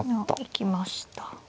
行きました。